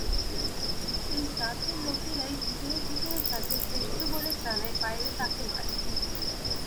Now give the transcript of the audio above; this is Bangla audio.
এই জাতের লোকেরাই ভিতরে ভিতরে যাকে শ্রেষ্ঠ বলে জানে বাইরে তাকে মারে।